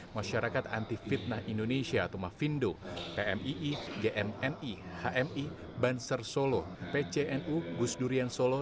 masyarakat anti fitnah indonesia atau mafindo pmii gnni hmi banser solo pcnu gus durian solo